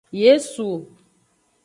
Yesu.